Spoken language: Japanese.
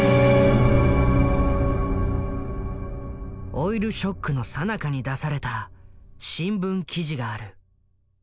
オイルショックのさなかに出された新聞記事がある。